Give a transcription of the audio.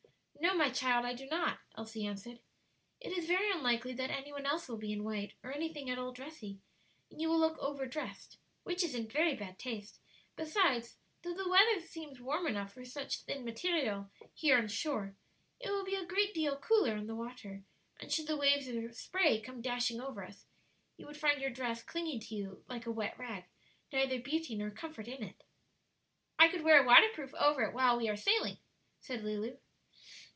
"No, my child, I do not," Elsie answered. "It is very unlikely that any one else will be in white or anything at all dressy, and you will look overdressed, which is in very bad taste; besides, though the weather seems warm enough for such thin material here on shore, it will be a great deal cooler on the water; and should the waves or spray come dashing over us, you would find your dress clinging to you like a wet rag neither beauty nor comfort in it." "I could wear a waterproof over it while we are sailing," said Lulu.